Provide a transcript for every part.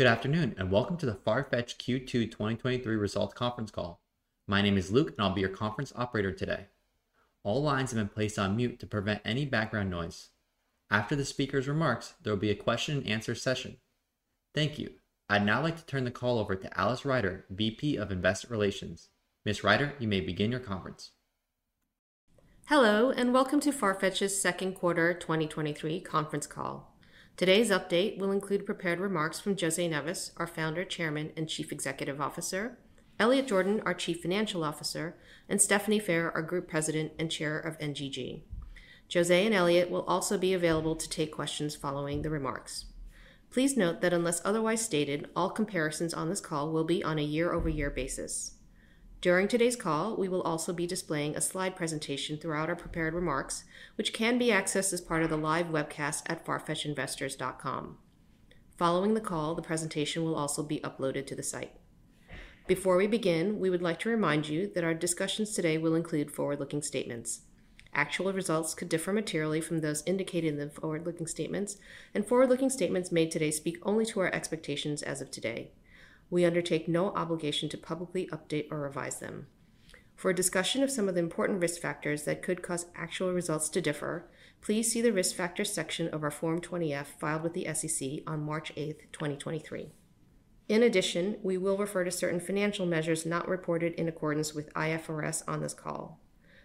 Good afternoon, and welcome to the Farfetch Q2 2023 Results Conference Call. My name is Luke, and I'll be your conference operator today. All lines have been placed on mute to prevent any background noise. After the speaker's remarks, there will be a question and answer session. Thank you. I'd now like to turn the call over to Alice Ryder, VP of Investor Relations. Ms. Ryder, you may begin your conference. Hello, welcome to Farfetch's second quarter 2023 conference call. Today's update will include prepared remarks from José Neves, our Founder, Chairman, and Chief Executive Officer; Elliot Jordan, our Chief Financial Officer; and Stephanie Phair, our Group President and Chair of NGG. José and Elliot will also be available to take questions following the remarks. Please note that unless otherwise stated, all comparisons on this call will be on a year-over-year basis. During today's call, we will also be displaying a slide presentation throughout our prepared remarks, which can be accessed as part of the live webcast at farfetchinvestors.com. Following the call, the presentation will also be uploaded to the site. Before we begin, we would like to remind you that our discussions today will include forward-looking statements. Actual results could differ materially from those indicated in the forward-looking statements, and forward-looking statements made today speak only to our expectations as of today. We undertake no obligation to publicly update or revise them. For a discussion of some of the important risk factors that could cause actual results to differ, please see the Risk Factors section of our Form 20-F filed with the SEC on March 8th, 2023. In addition, we will refer to certain financial measures not reported in accordance with IFRS on this call.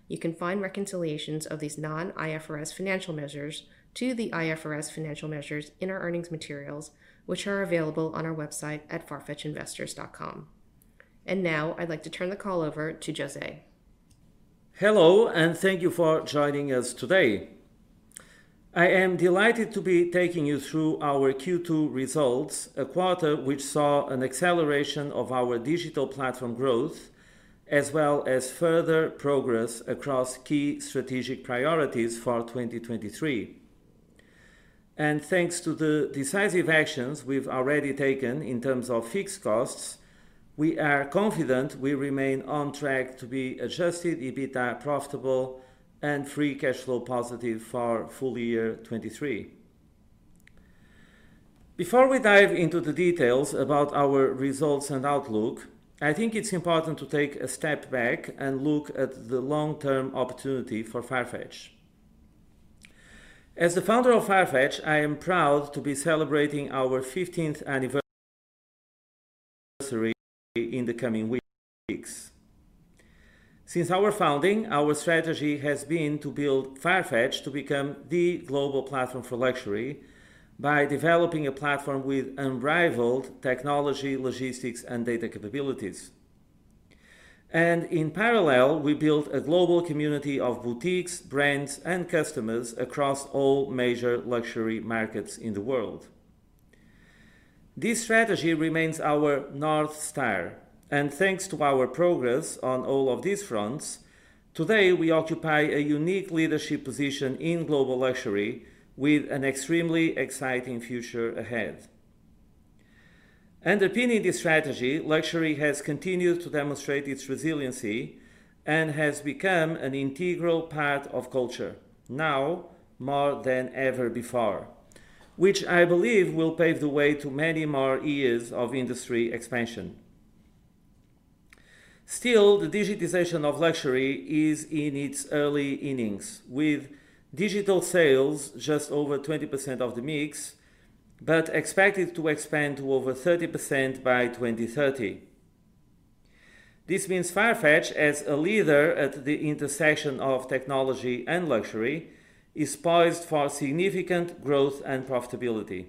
You can find reconciliations of these non-IFRS financial measures to the IFRS financial measures in our earnings materials, which are available on our website at farfetchinvestors.com. Now, I'd like to turn the call over to José. Hello, and thank you for joining us today. I am delighted to be taking you through our Q2 results, a quarter which saw an acceleration of our Digital Platform growth, as well as further progress across key strategic priorities for 2023. Thanks to the decisive actions we've already taken in terms of fixed costs, we are confident we remain on track to be Adjusted EBITDA profitable and free cash flow positive for full year 2023. Before we dive into the details about our results and outlook, I think it's important to take a step back and look at the long-term opportunity for Farfetch. As the founder of Farfetch, I am proud to be celebrating our 15th anniversary in the coming weeks. Since our founding, our strategy has been to build Farfetch to become the global platform for luxury by developing a platform with unrivaled technology, logistics, and data capabilities. In parallel, we built a global community of boutiques, brands, and customers across all major luxury markets in the world. This strategy remains our North Star, and thanks to our progress on all of these fronts, today, we occupy a unique leadership position in global luxury with an extremely exciting future ahead. Underpinning this strategy, luxury has continued to demonstrate its resiliency and has become an integral part of culture, now more than ever before, which I believe will pave the way to many more years of industry expansion. Still, the digitization of luxury is in its early innings, with digital sales just over 20% of the mix, but expected to expand to over 30% by 2030. This means Farfetch, as a leader at the intersection of technology and luxury, is poised for significant growth and profitability.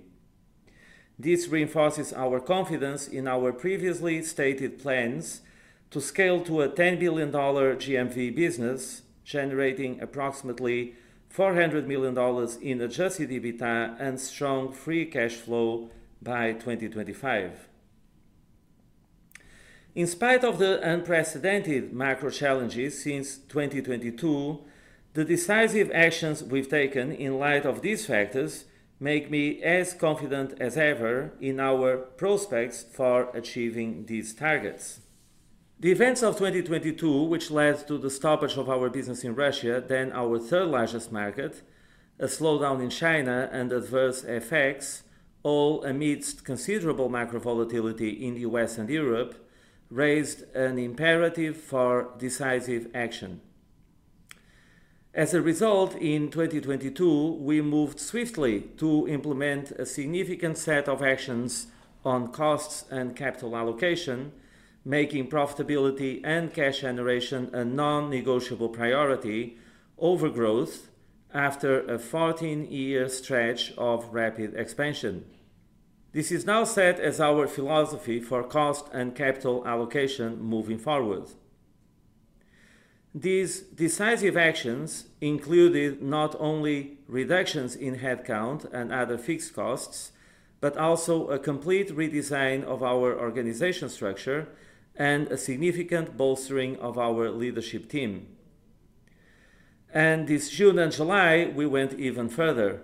This reinforces our confidence in our previously stated plans to scale to a $10 billion GMV business, generating approximately $400 million in Adjusted EBITDA and strong free cash flow by 2025. In spite of the unprecedented macro challenges since 2022, the decisive actions we've taken in light of these factors make me as confident as ever in our prospects for achieving these targets. The events of 2022, which led to the stoppage of our business in Russia, then our third largest market, a slowdown in China, and adverse effects, all amidst considerable macro volatility in the U.S. and Europe, raised an imperative for decisive action. As a result, in 2022, we moved swiftly to implement a significant set of actions on costs and capital allocation, making profitability and cash generation a non-negotiable priority over growth after a 14-year stretch of rapid expansion. This is now set as our philosophy for cost and capital allocation moving forward. These decisive actions included not only reductions in headcount and other fixed costs, but also a complete redesign of our organization structure and a significant bolstering of our leadership team. This June and July, we went even further.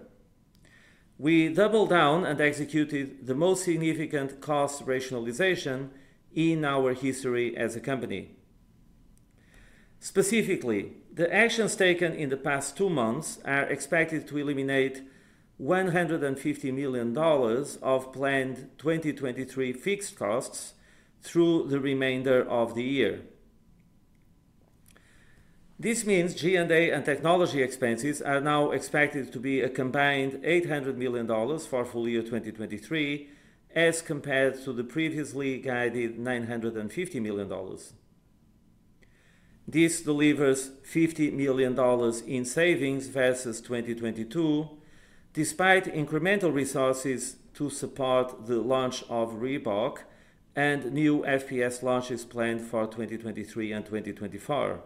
We doubled down and executed the most significant cost rationalization in our history as a company.... Specifically, the actions taken in the past two months are expected to eliminate $150 million of planned 2023 fixed costs through the remainder of the year. This means G&A and technology expenses are now expected to be a combined $800 million for full year 2023, as compared to the previously guided $950 million. This delivers $50 million in savings versus 2022, despite incremental resources to support the launch of Reebok and new FPS launches planned for 2023 and 2024.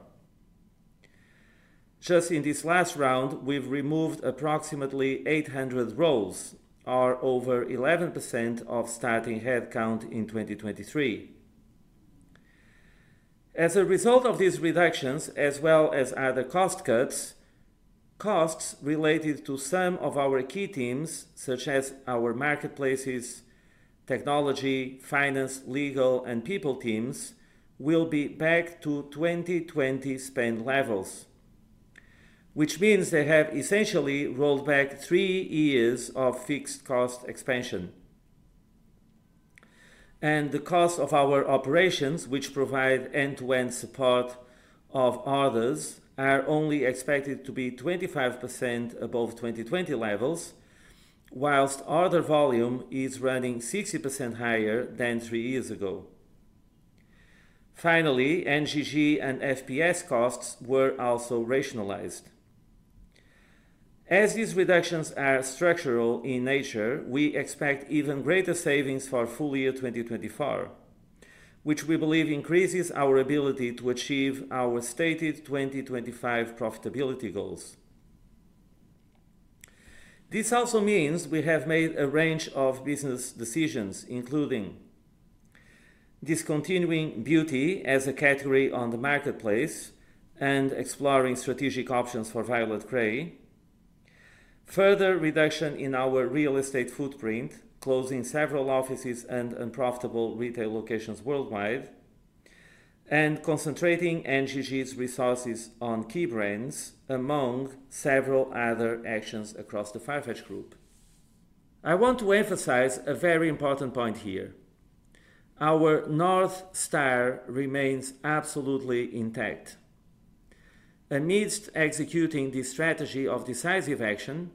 Just in this last round, we've removed approximately 800 roles, or over 11% of starting headcount in 2023. As a result of these reductions, as well as other cost cuts, costs related to some of our key teams, such as our marketplaces, technology, finance, legal, and people teams, will be back to 2020 spend levels, which means they have essentially rolled back three years of fixed cost expansion. The cost of our operations, which provide end-to-end support of others, are only expected to be 25% above 2020 levels, whilst order volume is running 60% higher than three years ago. Finally, NGG and FPS costs were also rationalized. As these reductions are structural in nature, we expect even greater savings for full year 2024, which we believe increases our ability to achieve our stated 2025 profitability goals. This also means we have made a range of business decisions, including discontinuing beauty as a category on the marketplace and exploring strategic options for Violet Grey. Further reduction in our real estate footprint, closing several offices and unprofitable retail locations worldwide, and concentrating NGG's resources on key brands, among several other actions across the Farfetch Group. I want to emphasize a very important point here: our North Star remains absolutely intact. Amidst executing this strategy of decisive action,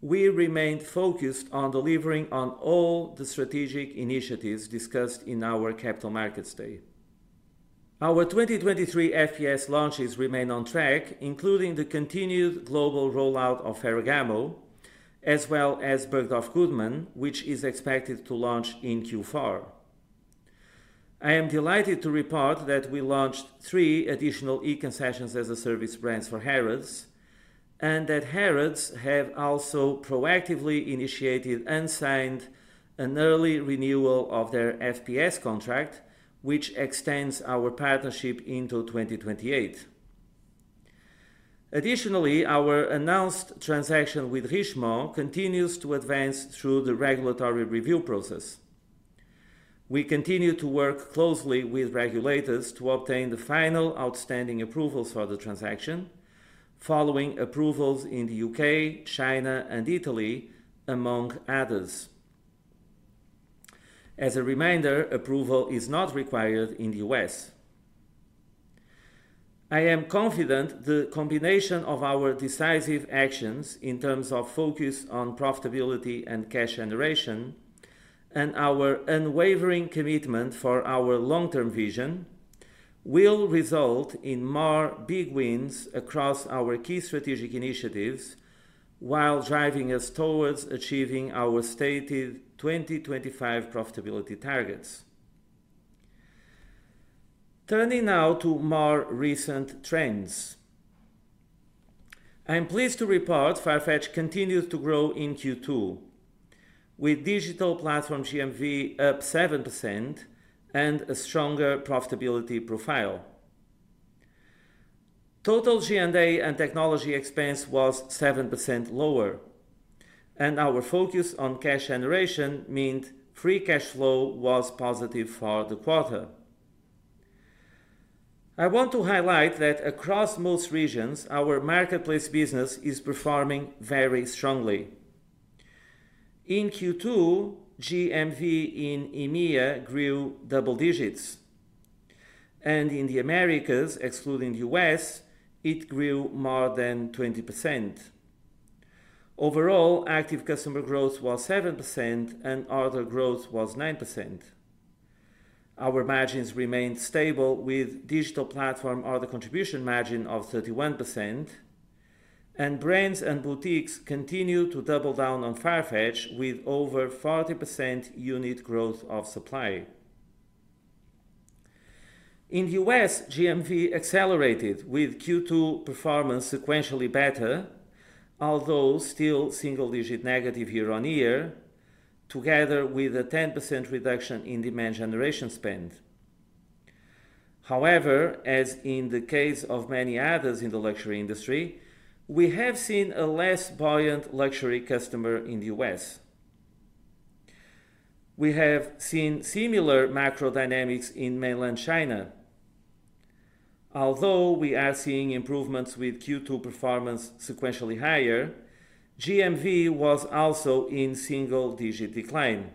we remain focused on delivering on all the strategic initiatives discussed in our Capital Markets Day. Our 2023 FPS launches remain on track, including the continued global rollout of Ferragamo, as well as Bergdorf Goodman, which is expected to launch in Q4. I am delighted to report that we launched three additionale-Concessions as a Service brands for Harrods, and that Harrods have also proactively initiated and signed an early renewal of their FPS contract, which extends our partnership into 2028. Additionally, our announced transaction with Richemont continues to advance through the regulatory review process. We continue to work closely with regulators to obtain the final outstanding approvals for the transaction, following approvals in the U.K., China, and Italy, among others. As a reminder, approval is not required in the U.S. I am confident the combination of our decisive actions in terms of focus on profitability and cash generation, and our unwavering commitment for our long-term vision, will result in more big wins across our key strategic initiatives while driving us towards achieving our stated 2025 profitability targets. Turning now to more recent trends. I am pleased to report Farfetch continues to grow in Q2, with Digital Platform GMV up 7% and a stronger profitability profile. Total G&A and technology expense was 7% lower, and our focus on cash generation meant free cash flow was positive for the quarter. I want to highlight that across most regions, our marketplace business is performing very strongly. In Q2, GMV in EMEA grew double digits, and in the Americas, excluding the U.S., it grew more than 20%. Overall, active customer growth was 7% and order growth was 9%. Our margins remained stable with Digital Platform order contribution margin of 31%, and brands and boutiques continue to double down on Farfetch with over 40% unit growth of supply. In the US, GMV accelerated with Q2 performance sequentially better, although still single-digit negative year-on-year, together with a 10% reduction in demand generation spend. However, as in the case of many others in the luxury industry, we have seen a less buoyant luxury customer in the U.S. We have seen similar macro dynamics in mainland China. Although we are seeing improvements with Q2 performance sequentially higher, GMV was also in single-digit decline.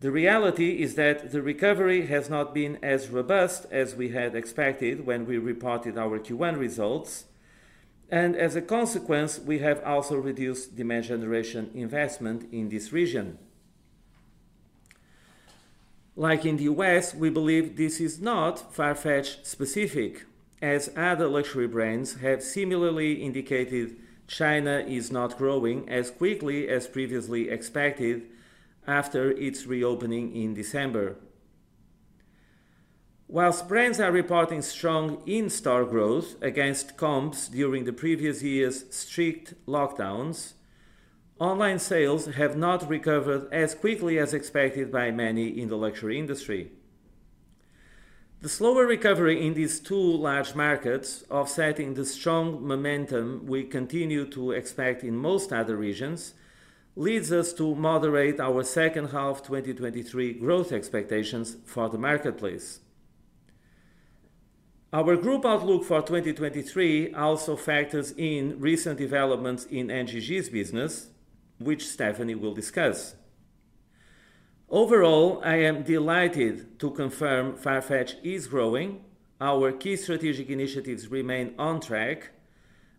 The reality is that the recovery has not been as robust as we had expected when we reported our Q1 results, and as a consequence, we have also reduced demand generation investment in this region. Like in the U.S., we believe this is not Farfetch-specific, as other luxury brands have similarly indicated China is not growing as quickly as previously expected after its reopening in December. While brands are reporting strong in-store growth against comps during the previous year's strict lockdowns, online sales have not recovered as quickly as expected by many in the luxury industry. The slower recovery in these two large markets, offsetting the strong momentum we continue to expect in most other regions, leads us to moderate our second half 2023 growth expectations for the marketplace. Our group outlook for 2023 also factors in recent developments in NGG's business, which Stephanie will discuss. Overall, I am delighted to confirm Farfetch is growing, our key strategic initiatives remain on track,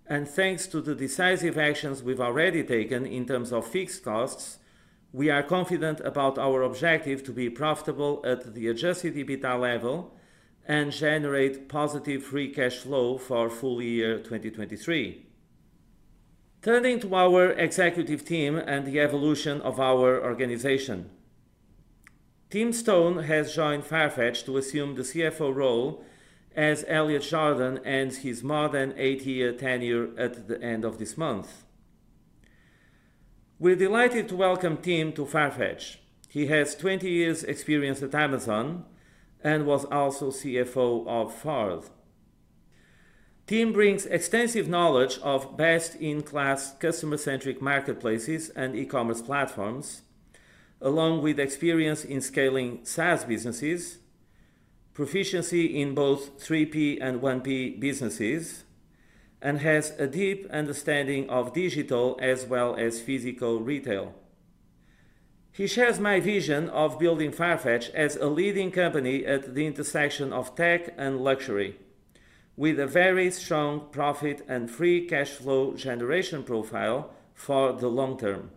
and thanks to the decisive actions we've already taken in terms of fixed costs, we are confident about our objective to be profitable at the Adjusted EBITDA level and generate positive free cash flow for full year 2023. Turning to our executive team and the evolution of our organization. Tim Stone has joined Farfetch to assume the CFO role as Elliot Jordan ends his more than eight-year tenure at the end of this month. We're delighted to welcome Tim to Farfetch. He has 20 years' experience at Amazon and was also CFO of Ford Motor Company. Tim brings extensive knowledge of best-in-class customer-centric marketplaces and e-commerce platforms, along with experience in scaling SaaS businesses, proficiency in both 3P and 1P businesses, and has a deep understanding of digital as well as physical retail. He shares my vision of building Farfetch as a leading company at the intersection of tech and luxury, with a very strong profit and free cash flow generation profile for the long term.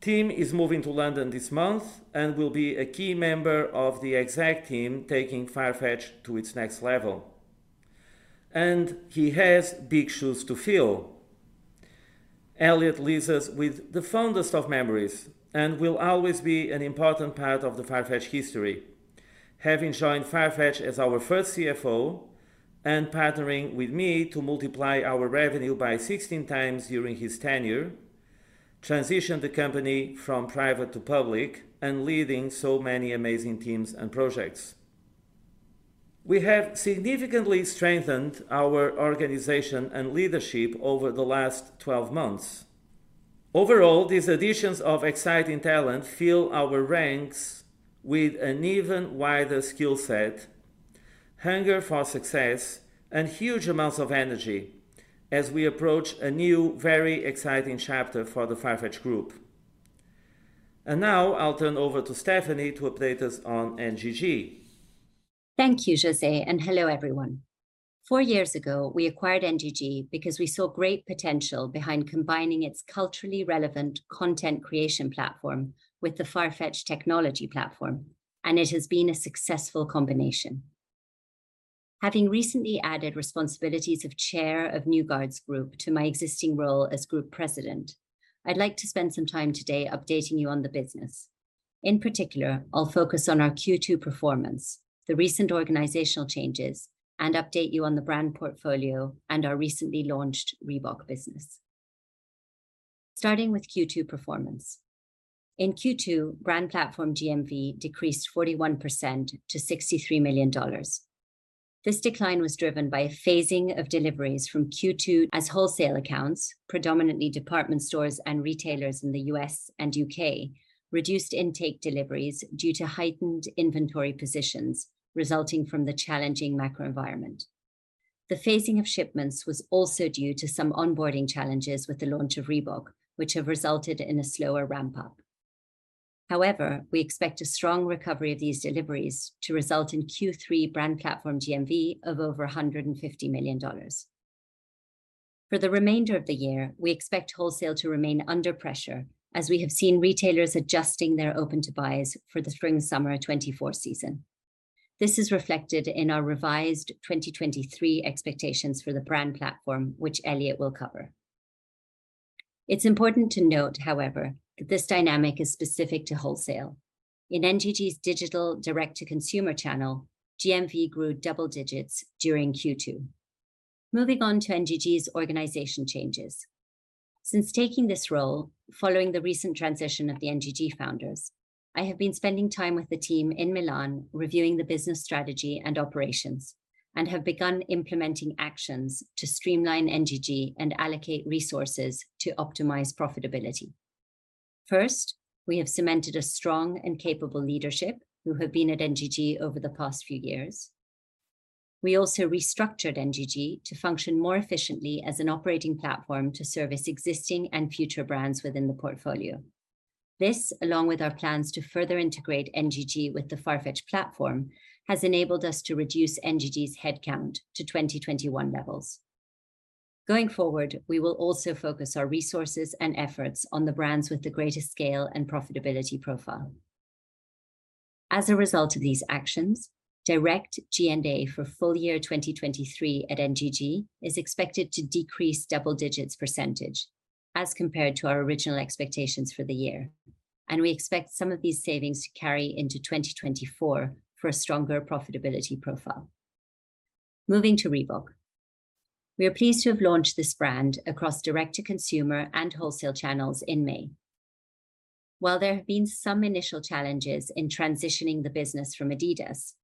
Tim is moving to London this month and will be a key member of the exec team, taking Farfetch to its next level, and he has big shoes to fill. Elliot leaves us with the fondest of memories and will always be an important part of the Farfetch history, having joined Farfetch as our first CFO and partnering with me to multiply our revenue by 16 times during his tenure, transition the company from private to public, and leading so many amazing teams and projects. We have significantly strengthened our organization and leadership over the last 12 months. Overall, these additions of exciting talent fill our ranks with an even wider skill set, hunger for success, and huge amounts of energy as we approach a new, very exciting chapter for the Farfetch Group. Now I'll turn over to Stephanie to update us on NGG. Thank you, Jose, and hello, everyone. Four years ago, we acquired NGG because we saw great potential behind combining its culturally relevant content creation platform with the Farfetch technology platform, and it has been a successful combination. Having recently added responsibilities of Chair of New Guards Group to my existing role as Group President, I'd like to spend some time today updating you on the business. In particular, I'll focus on our Q2 performance, the recent organizational changes, and update you on the brand portfolio and our recently launched Reebok business. Starting with Q2 performance. In Q2, Brand Platform GMV decreased 41% to $63 million. This decline was driven by a phasing of deliveries from Q2 as wholesale accounts, predominantly department stores and retailers in the U.S. and U.K., reduced intake deliveries due to heightened inventory positions resulting from the challenging macro environment. The phasing of shipments was also due to some onboarding challenges with the launch of Reebok, which have resulted in a slower ramp-up. However, we expect a strong recovery of these deliveries to result in Q3 Brand Platform GMV of over $150 million. For the remainder of the year, we expect wholesale to remain under pressure, as we have seen retailers adjusting their open-to-buys for the Spring/Summer 2024 season. This is reflected in our revised 2023 expectations for the Brand Platform, which Elliot will cover. It's important to note, however, that this dynamic is specific to wholesale. In NGG's digital direct-to-consumer channel, GMV grew double digits during Q2. Moving on to NGG's organization changes. Since taking this role, following the recent transition of the NGG founders-... I have been spending time with the team in Milan, reviewing the business strategy and operations, and have begun implementing actions to streamline NGG and allocate resources to optimize profitability. First, we have cemented a strong and capable leadership who have been at NGG over the past few years. We also restructured NGG to function more efficiently as an operating platform to service existing and future brands within the portfolio. This, along with our plans to further integrate NGG with the Farfetch Platform, has enabled us to reduce NGG's headcount to 2021 levels. Going forward, we will also focus our resources and efforts on the brands with the greatest scale and profitability profile. As a result of these actions, direct G&A for full year 2023 at NGG is expected to decrease double-digit % as compared to our original expectations for the year, and we expect some of these savings to carry into 2024 for a stronger profitability profile. Moving to Reebok. We are pleased to have launched this brand across direct-to-consumer and wholesale channels in May. While there have been some initial challenges in transitioning the business from Adidas,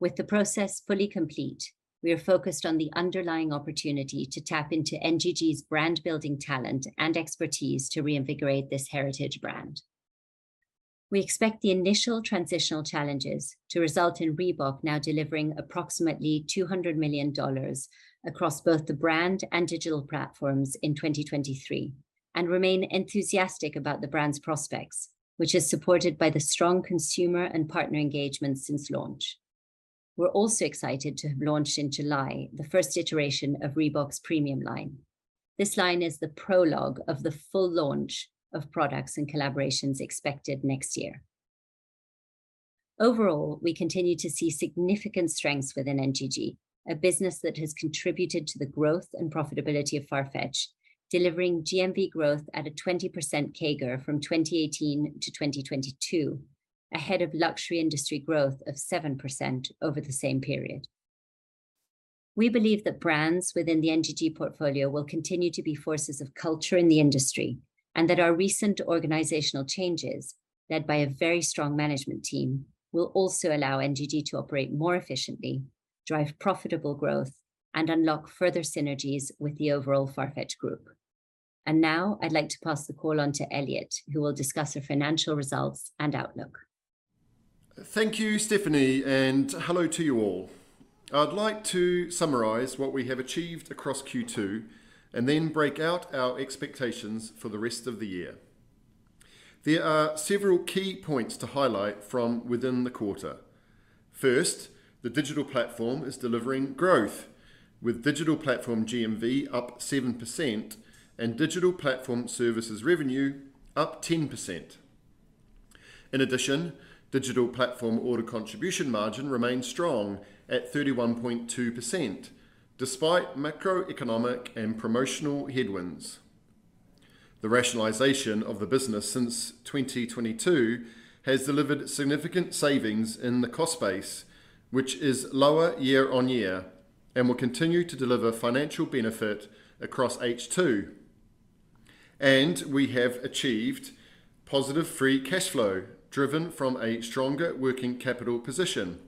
with the process fully complete, we are focused on the underlying opportunity to tap into NGG's brand-building talent and expertise to reinvigorate this heritage brand. We expect the initial transitional challenges to result in Reebok now delivering approximately $200 million across both the Brand and Digital Platforms in 2023, and remain enthusiastic about the brand's prospects, which is supported by the strong consumer and partner engagement since launch. We're also excited to have launched in July, the first iteration of Reebok's premium line. This line is the prologue of the full launch of products and collaborations expected next year. Overall, we continue to see significant strengths within NGG, a business that has contributed to the growth and profitability of Farfetch, delivering GMV growth at a 20% CAGR from 2018 to 2022, ahead of luxury industry growth of 7% over the same period. We believe that brands within the NGG portfolio will continue to be forces of culture in the industry, and that our recent organizational changes, led by a very strong management team, will also allow NGG to operate more efficiently, drive profitable growth, and unlock further synergies with the overall Farfetch group. Now I'd like to pass the call on to Elliot, who will discuss our financial results and outlook. Thank you, Stephanie, and hello to you all. I'd like to summarize what we have achieved across Q2 and then break out our expectations for the rest of the year. There are several key points to highlight from within the quarter. First, the Digital Platform is delivering growth, with Digital Platform GMV up 7% and Digital Platform services revenue up 10%. In addition, Digital Platform order contribution margin remains strong at 31.2%, despite macroeconomic and promotional headwinds. The rationalization of the business since 2022 has delivered significant savings in the cost base, which is lower year-on-year and will continue to deliver financial benefit across H2. We have achieved positive free cash flow, driven from a stronger working capital position.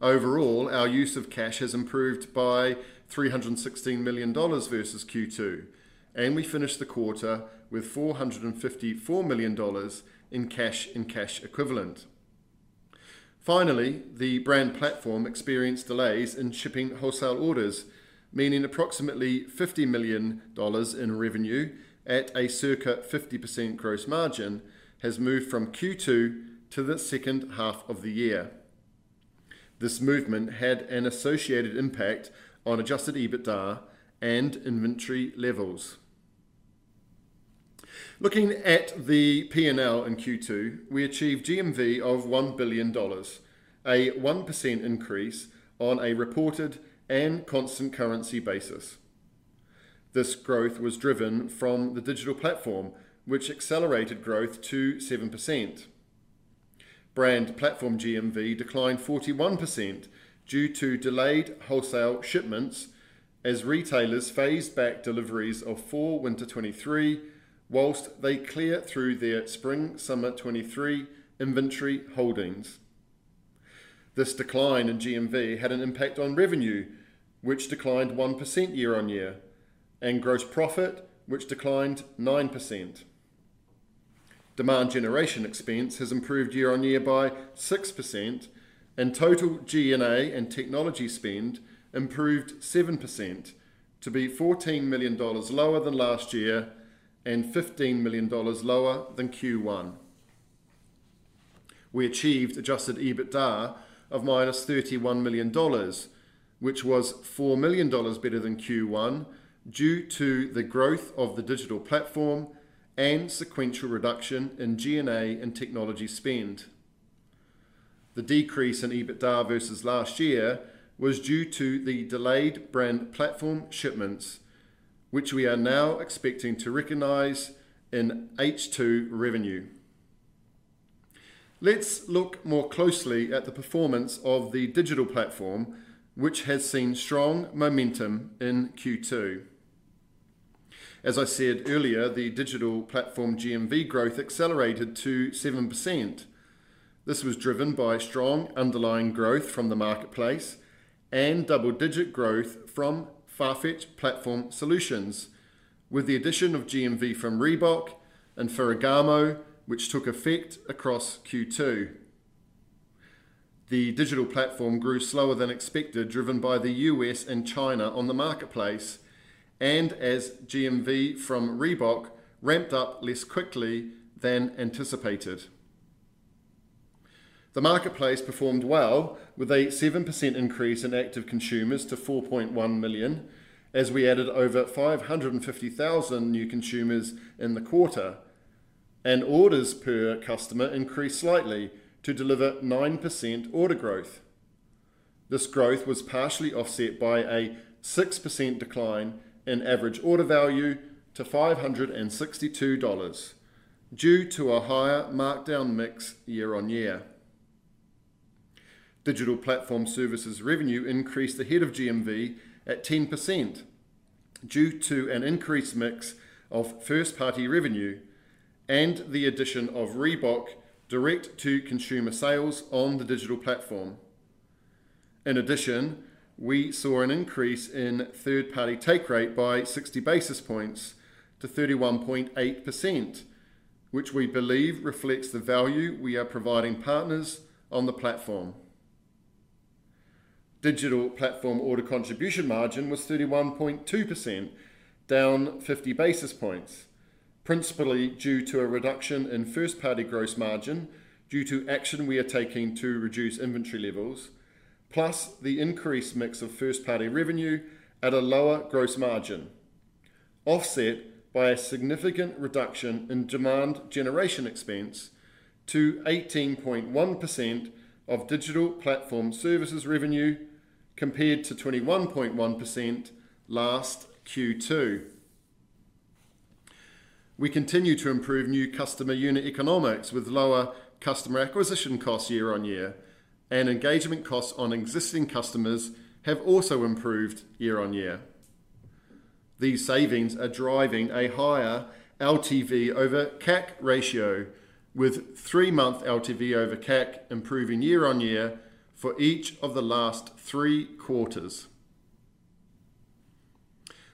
Overall, our use of cash has improved by $316 million versus Q2, and we finished the quarter with $454 million in cash and cash equivalent. The Brand Platform experienced delays in shipping wholesale orders, meaning approximately $50 million in revenue at a circa 50% gross margin, has moved from Q2 to the second half of the year. This movement had an associated impact on Adjusted EBITDA and inventory levels. Looking at the P&L in Q2, we achieved GMV of $1 billion, a 1% increase on a reported and constant currency basis. This growth was driven from the Digital Platform, which accelerated growth to 7%. Brand Platform GMV declined 41% due to delayed wholesale shipments as retailers phased back deliveries of Fall/Winter 2023, whilst they clear through their Spring/Summer 2023 inventory holdings. This decline in GMV had an impact on revenue, which declined 1% year-on-year, and gross profit, which declined 9%. Demand generation expense has improved year-on-year by 6%, and total G&A and technology spend improved 7% to be $14 million lower than last year and $15 million lower than Q1. We achieved Adjusted EBITDA of -$31 million, which was $4 million better than Q1, due to the growth of the Digital Platform and sequential reduction in G&A and technology spend. The decrease in EBITDA versus last year was due to the delayed Brand Platform shipments, which we are now expecting to recognize in H2 revenue. Let's look more closely at the performance of the Digital Platform, which has seen strong momentum in Q2. As I said earlier, the Digital Platform GMV growth accelerated to 7%. This was driven by strong underlying growth from the marketplace and double-digit growth from Farfetch Platform Solutions, with the addition of GMV from Reebok and Ferragamo, which took effect across Q2. The Digital platform grew slower than expected, driven by the U.S. and China on the marketplace, and as GMV from Reebok ramped up less quickly than anticipated. The marketplace performed well, with a 7% increase in Active consumers to 4.1 million, as we added over 550,000 new consumers in the quarter, and orders per customer increased slightly to deliver 9% order growth. This growth was partially offset by a 6% decline in average order value to $562 due to a higher markdown mix year-on-year. Digital Platform services revenue increased ahead of GMV at 10% due to an increased mix of first-party revenue and the addition of Reebok direct-to-consumer sales on the Digital Platform. In addition, we saw an increase in third-party take rate by 60 basis points to 31.8%, which we believe reflects the value we are providing partners on the platform. Digital Platform order contribution margin was 31.2%, down 50 basis points, principally due to a reduction in first-party gross margin due to action we are taking to reduce inventory levels, plus the increased mix of first-party revenue at a lower gross margin, offset by a significant reduction in demand generation expense to 18.1% of Digital Platform services revenue, compared to 21.1% last Q2. We continue to improve new customer unit economics with lower customer acquisition costs year-over-year, and engagement costs on existing customers have also improved year-over-year. These savings are driving a higher LTV over CAC ratio, with three-month LTV over CAC improving year-over-year for each of the last three quarters.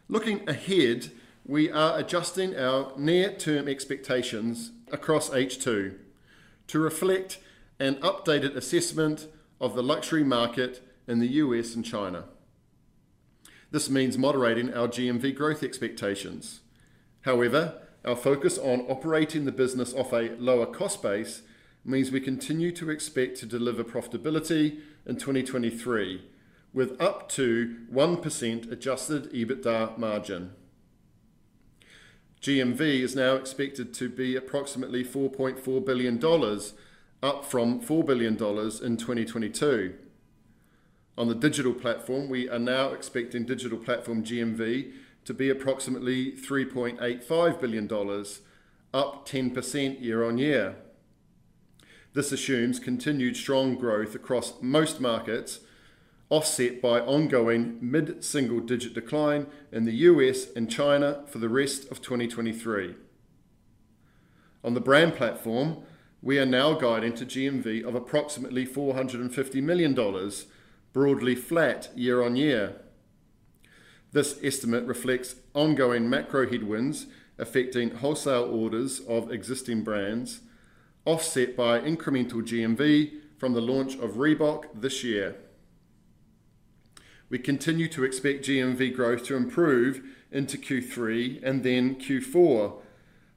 Looking ahead, we are adjusting our near-term expectations across H2 to reflect an updated assessment of the luxury market in the U.S. and China. This means moderating our GMV growth expectations. However, our focus on operating the business off a lower cost base means we continue to expect to deliver profitability in 2023, with up to 1% Adjusted EBITDA margin. GMV is now expected to be approximately $4.4 billion, up from $4 billion in 2022. On the Digital Platform, we are now expecting Digital Platform GMV to be approximately $3.85 billion, up 10% year-on-year. This assumes continued strong growth across most markets, offset by ongoing mid-single-digit decline in the U.S. and China for the rest of 2023. On the Brand Platform, we are now guiding to GMV of approximately $450 million, broadly flat year-on-year. This estimate reflects ongoing macro headwinds affecting wholesale orders of existing brands, offset by incremental GMV from the launch of Reebok this year. We continue to expect GMV growth to improve into Q3 and then Q4,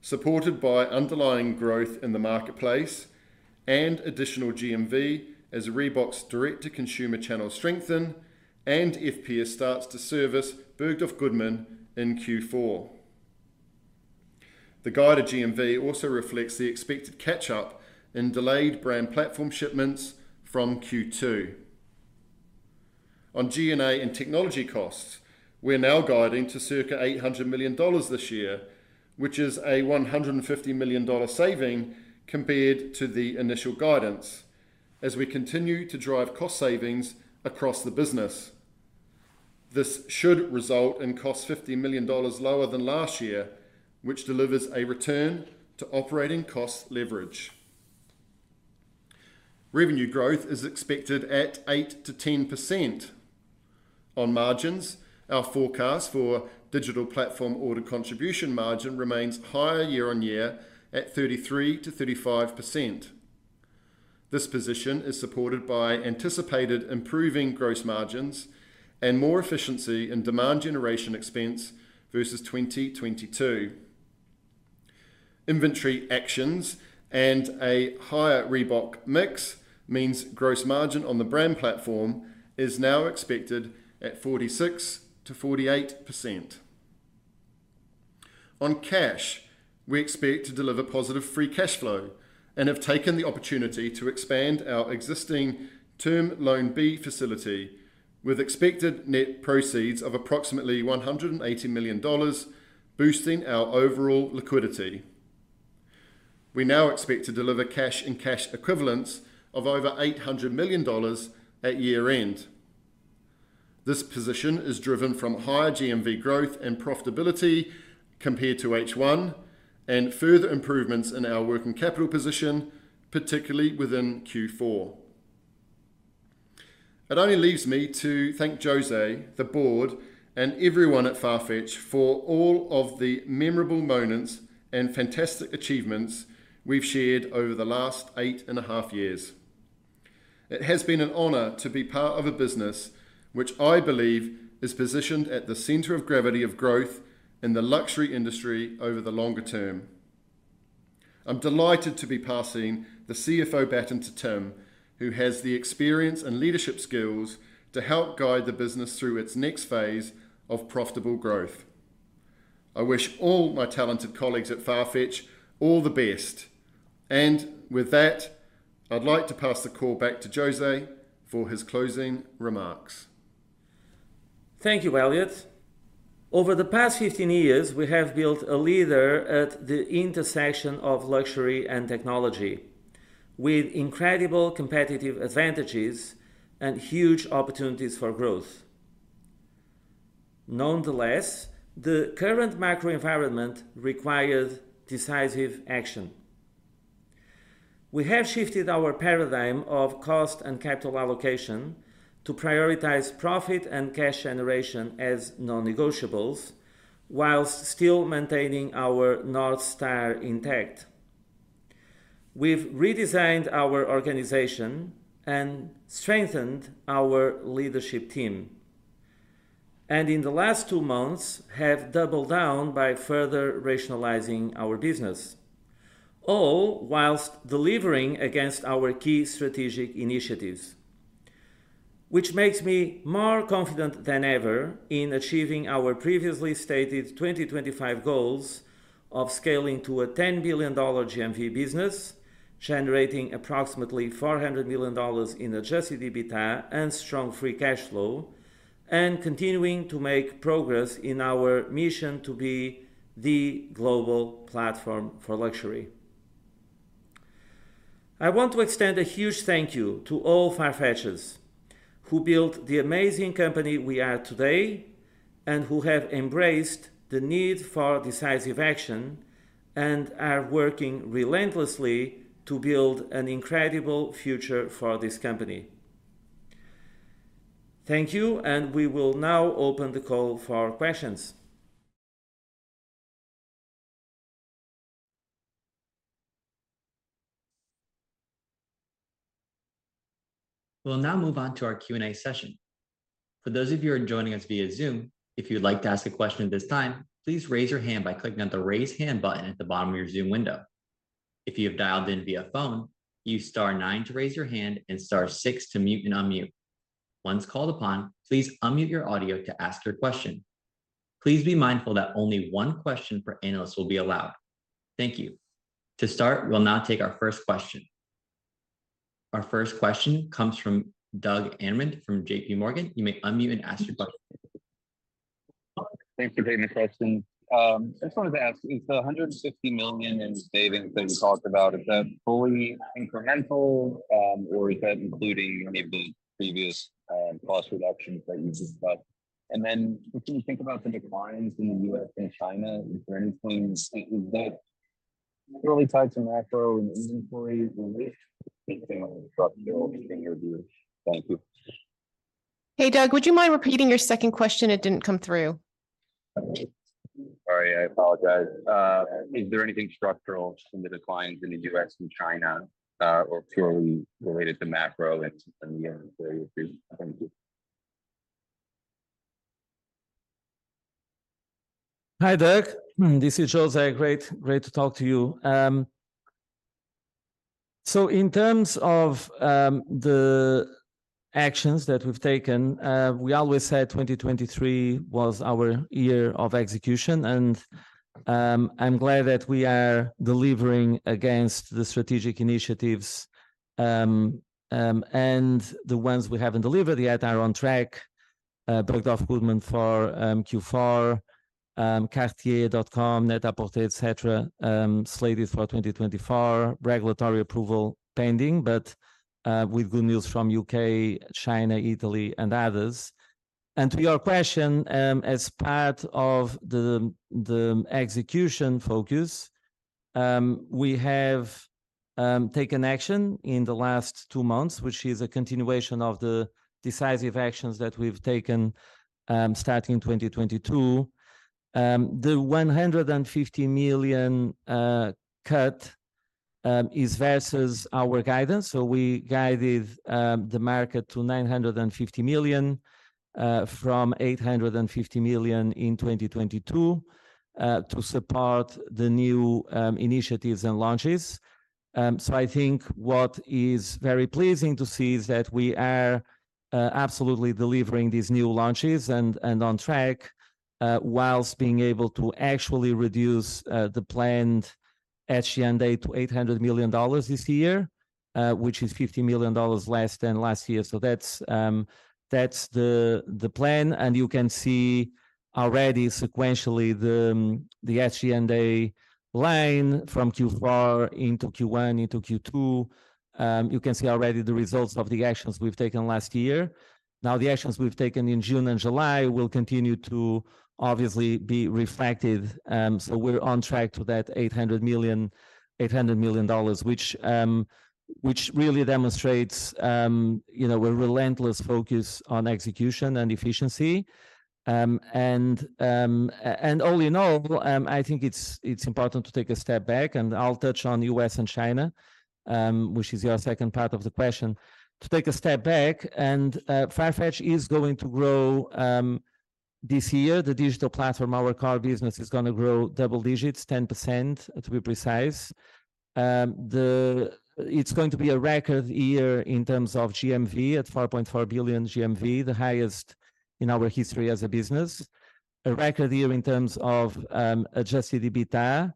supported by underlying growth in the Marketplace and additional GMV as Reebok's direct-to-consumer channels strengthen and FPS starts to service Bergdorf Goodman in Q4. The guided GMV also reflects the expected catch-up in delayed Brand Platform shipments from Q2. On G&A and technology costs, we are now guiding to circa $800 million this year, which is a $150 million saving compared to the initial guidance, as we continue to drive cost savings across the business. This should result in costs $50 million lower than last year, which delivers a return to operating cost leverage. Revenue growth is expected at 8%-10%. On margins, our forecast for Digital Platform order contribution margin remains higher year-over-year at 33%-35%. This position is supported by anticipated improving gross margins and more efficiency in demand generation expense versus 2022. Inventory actions and a higher Reebok mix means gross margin on the Brand Platform is now expected at 46%-48%. On cash, we expect to deliver positive free cash flow and have taken the opportunity to expand our existing Term Loan B facility with expected net proceeds of approximately $180 million, boosting our overall liquidity. We now expect to deliver cash and cash equivalents of over $800 million at year-end. This position is driven from higher GMV growth and profitability compared to H1, and further improvements in our working capital position, particularly within Q4. It only leaves me to thank Jose, the board, and everyone at Farfetch for all of the memorable moments and fantastic achievements we've shared over the last eight and a half years. It has been an honor to be part of a business which I believe is positioned at the center of gravity of growth in the luxury industry over the longer term. I'm delighted to be passing the CFO baton to Tim, who has the experience and leadership skills to help guide the business through its next phase of profitable growth. I wish all my talented colleagues at Farfetch all the best, and with that, I'd like to pass the call back to José for his closing remarks. Thank you, Elliot. Over the past 15 years, we have built a leader at the intersection of luxury and technology, with incredible competitive advantages and huge opportunities for growth. Nonetheless, the current macro environment requires decisive action. We have shifted our paradigm of cost and capital allocation to prioritize profit and cash generation as non-negotiables, while still maintaining our North Star intact. We've redesigned our organization and strengthened our leadership team, and in the last two months, have doubled down by further rationalizing our business, all while delivering against our key strategic initiatives. Which makes me more confident than ever in achieving our previously stated 2025 goals of scaling to a $10 billion GMV business, generating approximately $400 million in Adjusted EBITDA and strong free cash flow, and continuing to make progress in our mission to be the global platform for luxury. I want to extend a huge thank you to all Farfetchers, who built the amazing company we are today, and who have embraced the need for decisive action and are working relentlessly to build an incredible future for this company. Thank you, and we will now open the call for questions. We'll now move on to our Q&A session. For those of you who are joining us via Zoom, if you'd like to ask a question at this time, please raise your hand by clicking on the Raise Hand button at the bottom of your Zoom window. If you have dialed in via phone, use star nine to raise your hand and star six to mute and unmute. Once called upon, please unmute your audio to ask your question. Please be mindful that only one question per analyst will be allowed. Thank you. To start, we'll now take our first question. Our first question comes from Doug Anmuth, from JPMorgan. You may unmute and ask your question. Thanks for taking the question. I just wanted to ask, is the $150 million in savings that you talked about, is that fully incremental, or is that including any of the previous cost reductions that you just took? What do you think about the declines in the U.S. and China, is there anything that really tied to macro and inventory release? Anything structural in your view? Thank you. Hey, Doug, would you mind repeating your second question? It didn't come through. Sorry, I apologize. Is there anything structural in the declines in the U.S. and China, or purely related to macro and the inventory review? Thank you. Hi, Doug. This is José. Great, great to talk to you. So in terms of the actions that we've taken, we always said 2023 was our year of execution, and I'm glad that we are delivering against the strategic initiatives. And the ones we haven't delivered yet are on track. Bergdorf Goodman for Q4, Cartier.com, Net-a-Porter, et cetera, slated for 2024, regulatory approval pending, but with good news from U.K., China, Italy, and others. To your question, as part of the execution focus, we have taken action in the last two months, which is a continuation of the decisive actions that we've taken, starting in 2022. The $150 million cut is versus our guidance. We guided the market to $950 million from $850 million in 2022 to support the new initiatives and launches. I think what is very pleasing to see is that we are absolutely delivering these new launches and, and on track whilst being able to actually reduce the planned CapEx to $800 million this year, which is $50 million less than last year. That's the, the plan, and you can see already sequentially the, the G&A line from Q4 into Q1 into Q2. You can see already the results of the actions we've taken last year. Now, the actions we've taken in June and July will continue to obviously be reflected. We're on track to that $800 million, $800 million, which really demonstrates a relentless focus on execution and efficiency. All in all, I think it's important to take a step back, and I'll touch on U.S. and China, which is your second part of the question. To take a step back, Farfetch is going to grow this year. The Digital Platform, our core business, is gonna grow double digits, 10%, to be precise. It's going to be a record year in terms of GMV at $4.4 billion GMV, the highest in our history as a business. A record year in terms of Adjusted EBITDA,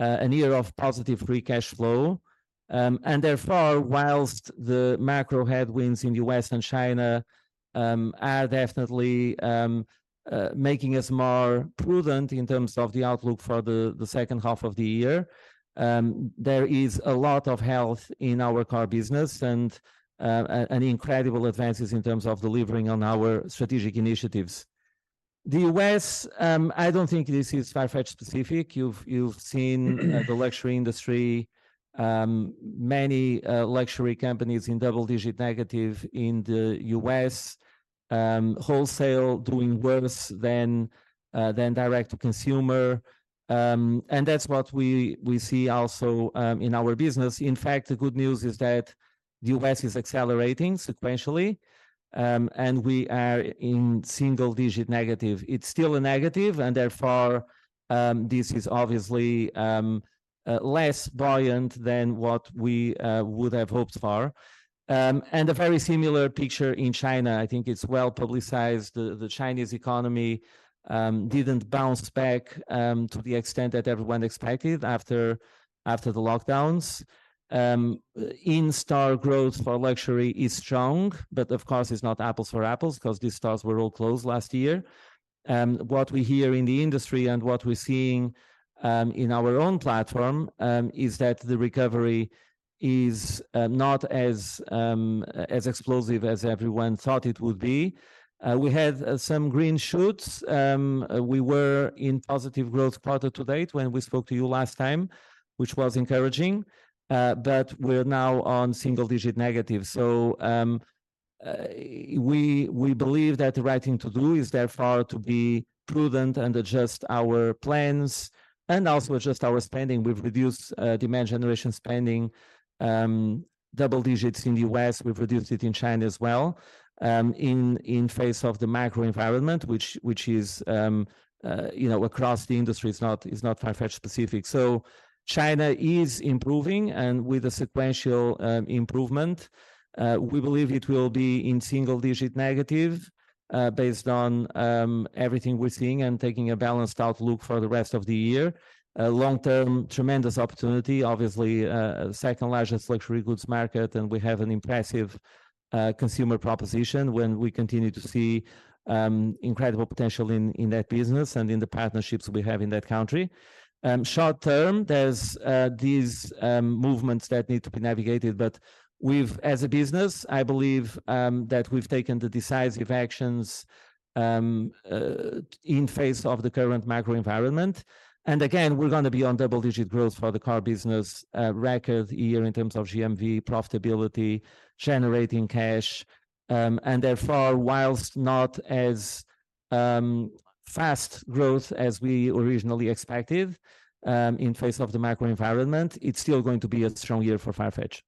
a year of positive Free cash flow. Therefore, whilst the macro headwinds in the U.S. and China are definitely making us more prudent in terms of the outlook for the second half of the year, there is a lot of health in our core business and an incredible advances in terms of delivering on our strategic initiatives. The U.S., I don't think this is Farfetch-specific. You've, you've seen the luxury industry, many luxury companies in double-digit negative in the U.S., wholesale doing worse than direct-to-consumer. That's what we see also in our business. In fact, the good news is that the U.S. is accelerating sequentially, and we are in single-digit negative. It's still a negative, and therefore, this is obviously less buoyant than what we would have hoped for. A very similar picture in China. I think it's well-publicized. The Chinese economy didn't bounce back to the extent that everyone expected after the lockdowns. In-store growth for luxury is strong, but of course, it's not apples for apples 'cause these stores were all closed last year. What we hear in the industry and what we're seeing in our own platform is that the recovery is not as explosive as everyone thought it would be. We had some green shoots. We were in positive growth quarter to date when we spoke to you last time, which was encouraging, but we're now on single-digit negative. We believe that the right thing to do is, therefore, to be prudent and adjust our plans and also adjust our spending. We've reduced demand generation spending double-digits in the U.S. We've reduced it in China as well, in face of the macro environment, which, which is, you know, across the industry, it's not, it's not Farfetch-specific. China is improving and with a sequential improvement. We believe it will be in single-digit negative, based on everything we're seeing and taking a balanced outlook for the rest of the year. Long-term, tremendous opportunity, obviously, second-largest luxury goods market, and we have an impressive consumer proposition when we continue to see incredible potential in that business and in the partnerships we have in that country. Short term, there's these movements that need to be navigated, but as a business, I believe, that we've taken the decisive actions in face of the current macro environment. Again, we're gonna be on double digit growth for the core business, record year in terms of GMV, profitability, generating cash. Therefore, whilst not as fast growth as we originally expected in face of the macro environment, it's still going to be a strong year for Farfetch.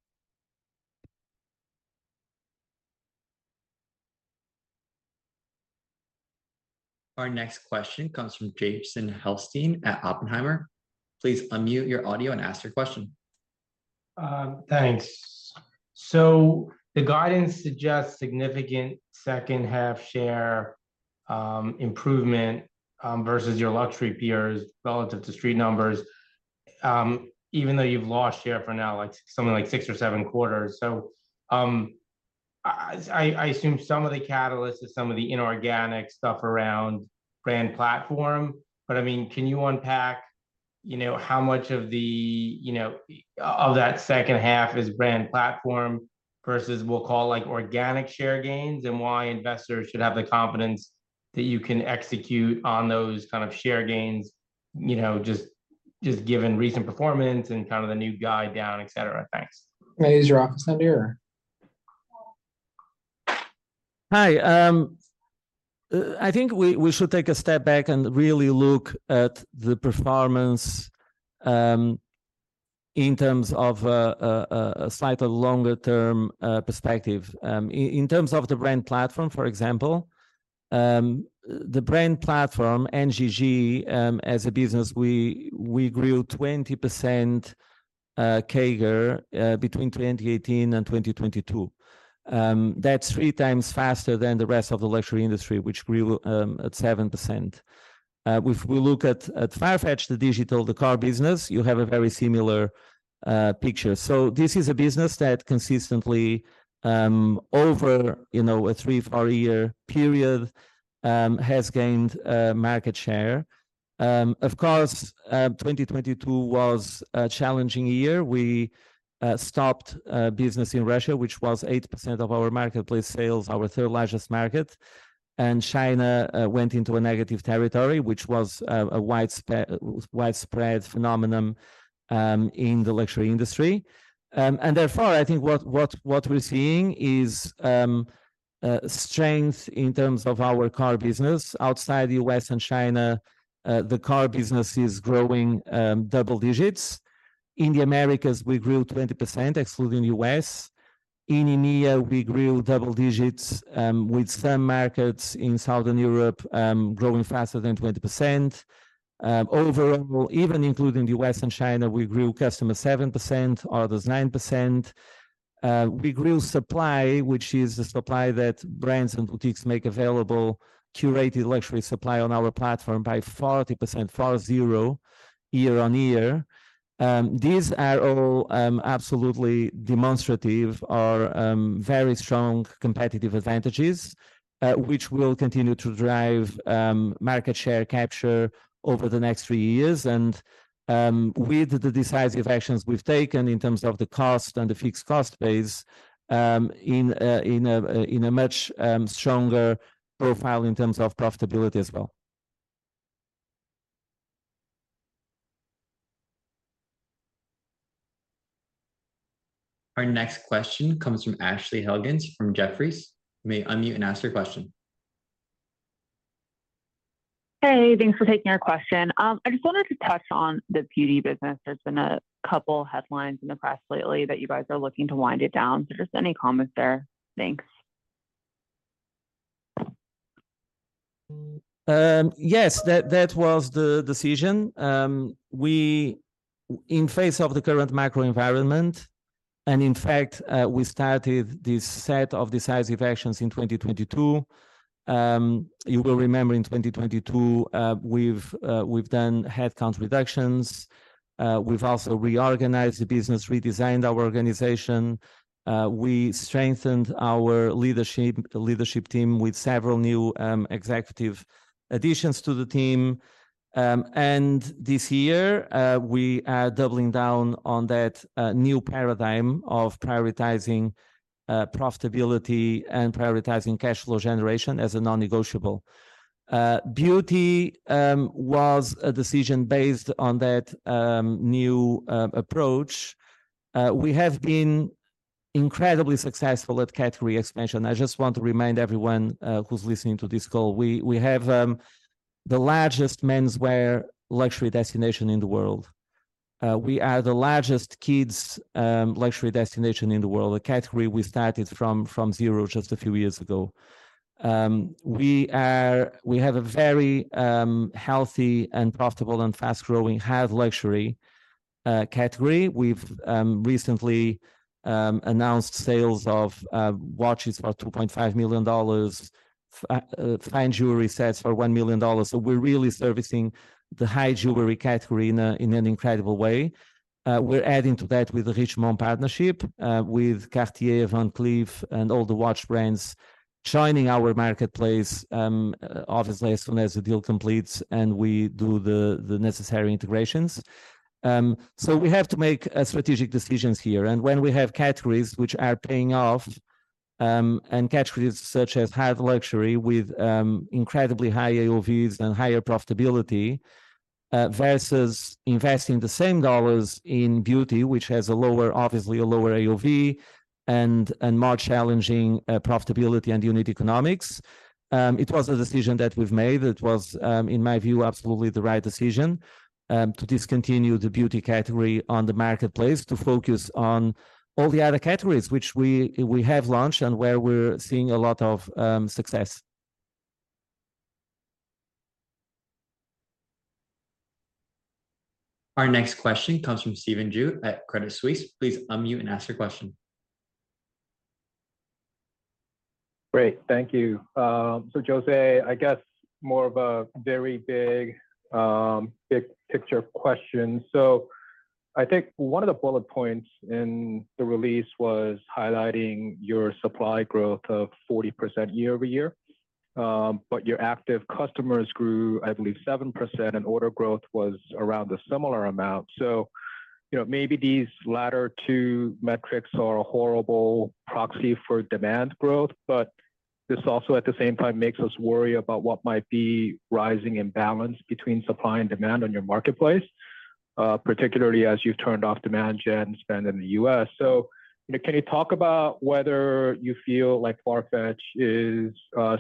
Our next question comes from Jason Helfstein at Oppenheimer. Please unmute your audio and ask your question. Thanks. The guidance suggests significant second half share improvement versus your luxury peers relative to street numbers, even though you've lost share for now, like, something like six or seven quarters. I assume some of the catalyst is some of the inorganic stuff around Brand Platform. I mean, can you unpack, you know, how much of the, of that second half is Brand Platform versus we'll call, like, organic share gains? Why investors should have the confidence that you can execute on those kind of share gains, you know, just, just given recent performance and kind of the new guide down, et cetera. Thanks. May I use your office number, or? Hi, I think we, we should take a step back and really look at the performance, in terms of a, a, a slight longer-term perspective. In terms of the Brand Platform, for example, the Brand Platform, NGG, as a business, we, we grew 20% CAGR between 2018 and 2022. That's three times faster than the rest of the luxury industry, which grew at 7%. If we look at, at Farfetch, the digital, the car business, you have a very similar picture. This is a business that consistently, over, you know, a three, four-year period, has gained market share. Of course, 2022 was a challenging year. We stopped business in Russia, which was 8% of our marketplace sales, our third largest market. China went into a negative territory, which was a widespread, widespread phenomenon in the luxury industry. Therefore, I think what we're seeing is strength in terms of our car business. Outside U.S. and China, the car business is growing double digits. In the Americas, we grew 20%, excluding U.S. In EMEA, we grew double digits with some markets in Southern Europe growing faster than 20%. Overall, even including the U.S. and China, we grew customer 7%, others 9%. We grew supply, which is the supply that brands and boutiques make available, curated luxury supply on our platform by 40%, four zero, year-over-year. These are all absolutely demonstrative or very strong competitive advantages, which will continue to drive market share capture over the next three years. With the decisive actions we've taken in terms of the cost and the fixed cost base, in a much stronger profile in terms of profitability as well. Our next question comes from Ashley Helgans from Jefferies. You may unmute and ask your question. Hey, thanks for taking our question. I just wanted to touch on the beauty business. There's been a couple headlines in the press lately that you guys are looking to wind it down. Just any comment there? Thanks. Yes, that, that was the decision. In face of the current macro environment, in fact, we started this set of decisive actions in 2022. You will remember in 2022, we've done headcount reductions, we've also reorganized the business, redesigned our organization, we strengthened our leadership team with several new executive additions to the team. This year, we are doubling down on that new paradigm of prioritizing profitability and prioritizing cash flow generation as a non-negotiable. Beauty was a decision based on that new approach. We have been incredibly successful at category expansion. I just want to remind everyone who's listening to this call, we, we have the largest menswear luxury destination in the world. We are the largest kids, luxury destination in the world, a category we started from, from zero just a few years ago. We have a very, healthy and profitable and fast-growing high luxury, category. We've, recently, announced sales of, watches for $2.5 million, fine jewelry sets for $1 million. We're really servicing the high jewelry category in a, in an incredible way. We're adding to that with the Richemont partnership, with Cartier, Van Cleef, and all the watch brands joining our marketplace, obviously, as soon as the deal completes and we do the, the necessary integrations. We have to make, strategic decisions here. When we have categories which are paying off, and categories such as high luxury with incredibly high AOVs and higher profitability, versus investing the same $ in beauty, which has a lower, obviously a lower AOV and more challenging profitability and unit economics, it was a decision that we've made. It was, in my view, absolutely the right decision, to discontinue the beauty category on the marketplace, to focus on all the other categories which we, we have launched and where we're seeing a lot of success. Our next question comes from Stephen Ju at Credit Suisse. Please unmute and ask your question. Great. Thank you. Jose, I guess more of a very big, big picture question. I think one of the bullet points in the release was highlighting your supply growth of 40% year-over-year. Your active customers grew, I believe, 7%, and order growth was around a similar amount. You know, maybe these latter two metrics are a horrible proxy for demand growth, but this also, at the same time, makes us worry about what might be rising imbalance between supply and demand on your marketplace, particularly as you've turned off demand gen spend in the U.S. Can you talk about whether you feel like Farfetch is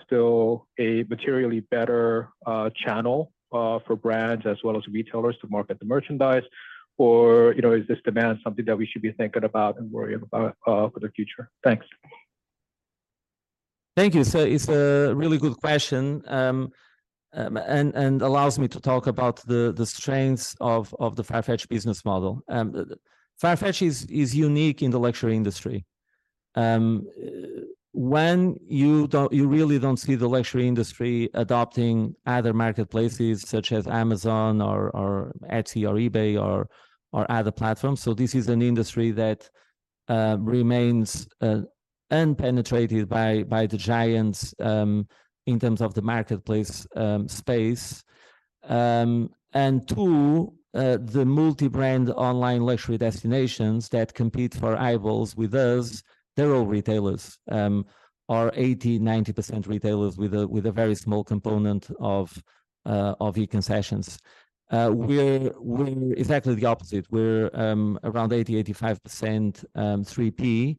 still a materially better channel for brands as well as retailers to market the merchandise? you know, is this demand something that we should be thinking about and worrying about for the future? Thanks. Thank you. It's a really good question, and allows me to talk about the strengths of the Farfetch business model. The Farfetch is unique in the luxury industry. When you don't-- you really don't see the luxury industry adopting other marketplaces such as Amazon or Etsy or eBay or other platforms. This is an industry that remains unpenetrated by the giants in terms of the marketplace space. Two, the multi-brand online luxury destinations that compete for eyeballs with us, they're all retailers. Are 80%, 90% retailers with a very small component of e-concessions. We're exactly the opposite. We're around 80%, 85% 3P.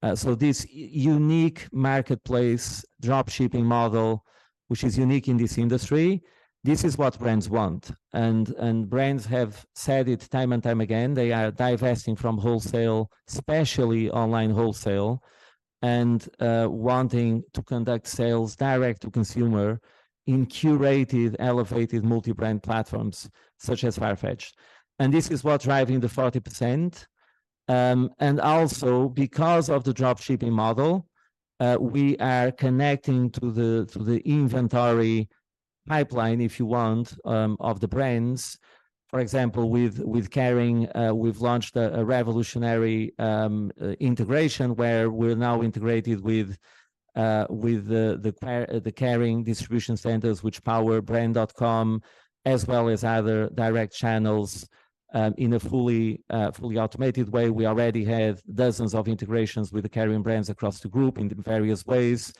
This unique marketplace dropshipping model, which is unique in this industry, this is what brands want, and brands have said it time and time again. They are divesting from wholesale, especially online wholesale, and wanting to conduct sales direct-to-consumer in curated, elevated, multi-brand platforms such as Farfetch. This is what's driving the 40%. Also because of the dropshipping model, we are connecting to the, to the inventory pipeline, if you want, of the brands, for example, with Kering, we've launched a revolutionary integration, where we're now integrated with the Kering, the Kering distribution centers, which power brand.com, as well as other direct channels, in a fully, fully automated way. We already have dozens of integrations with the Kering brands across the group in various ways.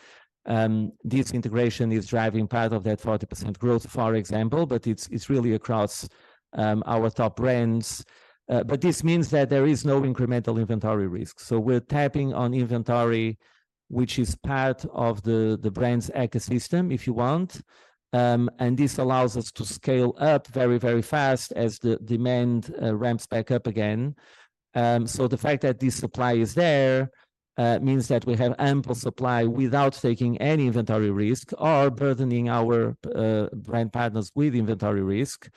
This integration is driving part of that 40% growth, for example, but it's, it's really across our top brands. This means that there is no incremental inventory risk. We're tapping on inventory, which is part of the brand's ecosystem, if you want. This allows us to scale up very, very fast as the demand ramps back up again. The fact that this supply is there, means that we have ample supply without taking any inventory risk or burdening our brand partners with inventory risk.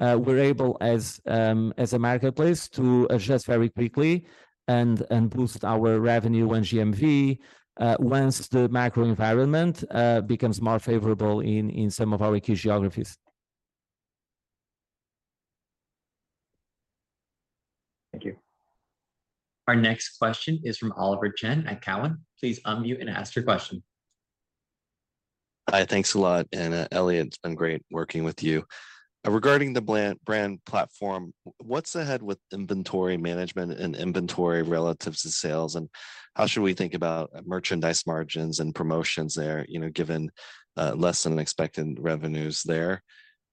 We're able, as a marketplace, to adjust very quickly and boost our revenue and GMV once the macro environment becomes more favorable in some of our key geographies. Thank you. Our next question is from Oliver Chen at Cowen. Please unmute and ask your question. Hi, thanks a lot. Elliot, it's been great working with you. Regarding the Brand Platform, what's ahead with inventory management and inventory relatives to sales, and how should we think about merchandise margins and promotions there, you know, given less than expected revenues there?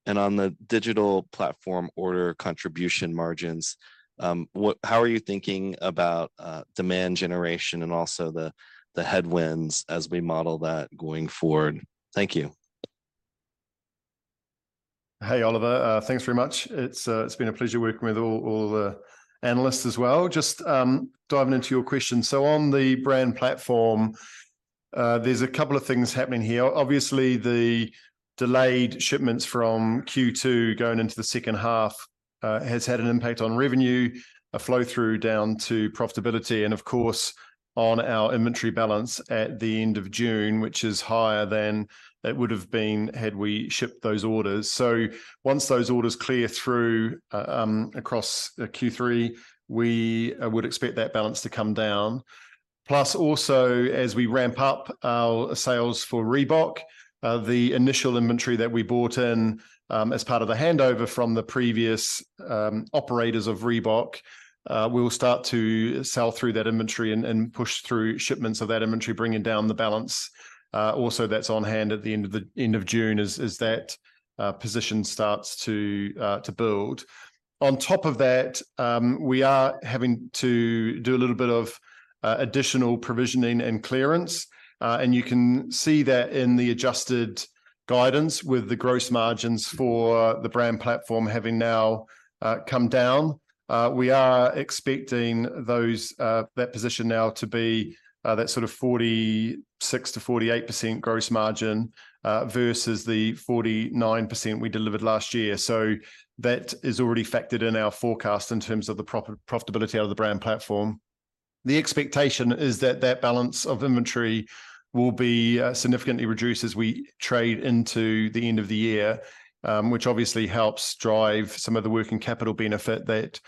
On the Digital Platform, order contribution margins, how are you thinking about demand generation and also the, the headwinds as we model that going forward? Thank you. Hey, Oliver, thanks very much. It's, it's been a pleasure working with all, all the analysts as well. Just, diving into your question. On the Brand Platform, there's a couple of things happening here. Obviously, the delayed shipments from Q2 going into the second half, has had an impact on revenue, a flow-through down to profitability, and of course, on our inventory balance at the end of June, which is higher than it would have been had we shipped those orders. Once those orders clear through, across the Q3, we, would expect that balance to come down. Plus, also, as we ramp up our sales for Reebok, the initial inventory that we bought in, as part of a handover from the previous operators of Reebok, we will start to sell through that inventory and push through shipments of that inventory, bringing down the balance. Also, that's on hand at the end of June, as that position starts to build. On top of that, we are having to do a little bit of additional provisioning and clearance, and you can see that in the adjusted guidance with the gross margins for the Brand Platform having now come down. We are expecting those that position now to be that sort of 46%-48% gross margin versus the 49% we delivered last year. That is already factored in our forecast in terms of the profitability out of the Brand Platform. The expectation is that, that balance of inventory will be significantly reduced as we trade into the end of the year, which obviously helps drive some of the working capital benefit that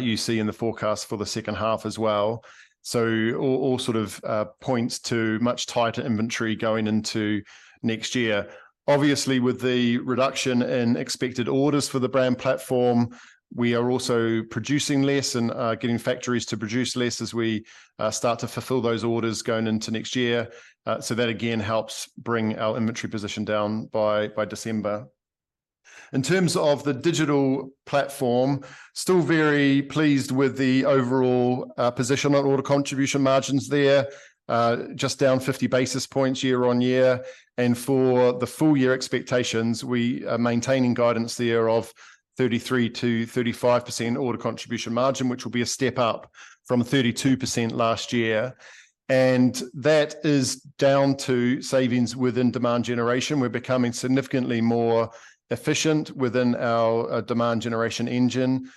you see in the forecast for the second half as well. All, all sort of points to much tighter inventory going into next year. Obviously, with the reduction in expected orders for the Brand Platform, we are also producing less and getting factories to produce less as we start to fulfill those orders going into next year. That again, helps bring our inventory position down by, by December. In terms of the Digital Platform, still very pleased with the overall position on Order contribution margin there, just down 50 basis points year-on-year. For the full year expectations, we are maintaining guidance there of 33%-35% Order contribution margin, which will be a step up from 32% last year. That is down to savings within demand generation. We're becoming significantly more efficient within our demand generation engine.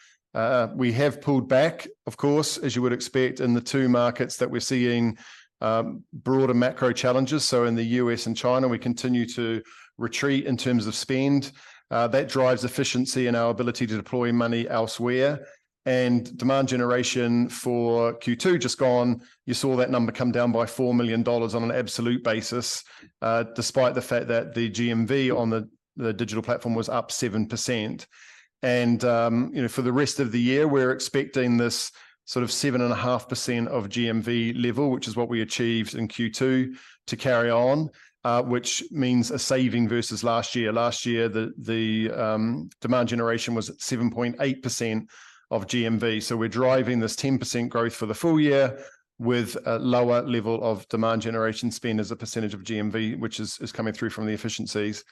We have pulled back, of course, as you would expect, in the two markets that we're seeing broader macro challenges. In the U.S. and China, we continue to retreat in terms of spend. That drives efficiency and our ability to deploy money elsewhere. Demand generation for Q2 just gone, you saw that number come down by $4 million on an absolute basis, despite the fact that the GMV on the Digital Platform was up 7%. You know, for the rest of the year, we're expecting this sort of 7.5% of GMV level, which is what we achieved in Q2, to carry on, which means a saving versus last year. Last year, the demand generation was at 7.8% of GMV. We're driving this 10% growth for the full year with a lower level of demand generation spend as a percentage of GMV, which is coming through from the efficiencies.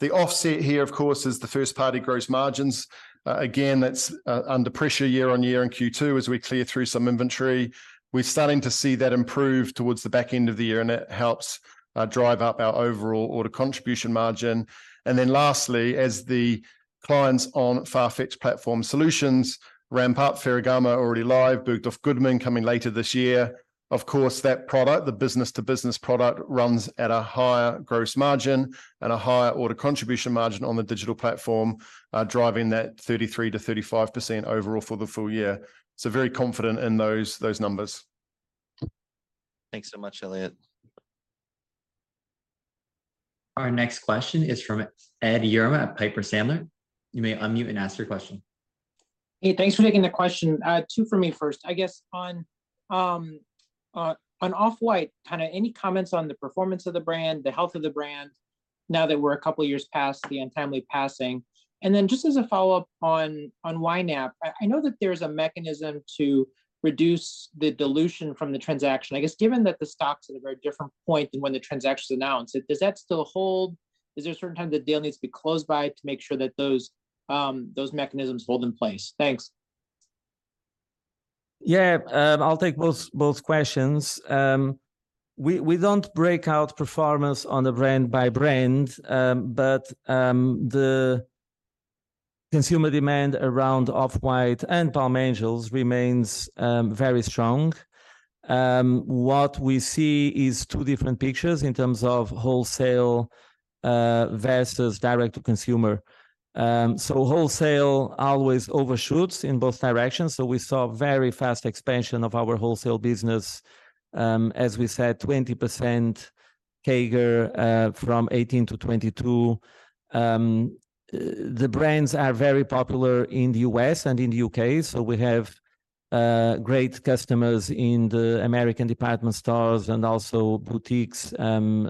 The offset here, of course, is the first-party gross margins. Again, that's under pressure year-over-year in Q2, as we clear through some inventory. We're starting to see that improve towards the back end of the year, and it helps drive up our overall order contribution margin. Lastly, as the clients on Farfetch Platform Solutions ramp up, Ferragamo already live, Bergdorf Goodman coming later this year. Of course, that product, the business-to-business product, runs at a higher gross margin and a higher order contribution margin on the Digital Platform, driving that 33%-35% overall for the full year. Very confident in those, those numbers. Thanks so much, Elliot. Our next question is from Ed Yruma at Piper Sandler. You may unmute and ask your question. Hey, thanks for taking the question. Two for me. First, I guess on Off-White, kind of any comments on the performance of the brand, the health of the brand, now that we're a couple of years past the untimely passing? Then just as a follow-up on YNAP, I, I know that there's a mechanism to reduce the dilution from the transaction. I guess, given that the stock's at a very different point than when the transaction was announced, does that still hold? Is there a certain time the deal needs to be closed by to make sure that those, those mechanisms hold in place? Thanks. I'll take both, both questions. We, we don't break out performance on the brand by brand, but the consumer demand around Off-White and Palm Angels remains very strong. What we see is two different pictures in terms of wholesale versus direct to consumer. Wholesale always overshoots in both directions, so we saw very fast expansion of our wholesale business. As we said, 20% CAGR from 2018-2022. The brands are very popular in the U.S. and in the U.K., so we have great customers in the American department stores and also boutiques in